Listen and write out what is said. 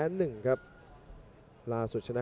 มีความรู้สึกว่า